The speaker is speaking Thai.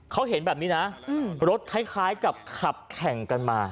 เขาเห็นแบบนี้นะรถคล้ายกับขับแข่งกันมา